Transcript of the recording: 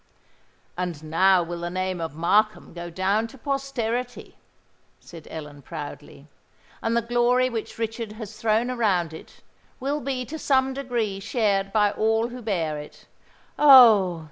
"And now will the name of Markham go down to posterity," said Ellen, proudly: "and the glory which Richard has thrown around it, will be to some degree shared by all who bear it. Oh!